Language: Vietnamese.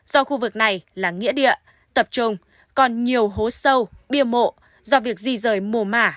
do khu vực này là nghĩa địa tập trung còn nhiều hố sâu bia mộ do việc di rời mùa mả